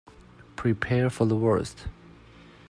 Prepare for the worst!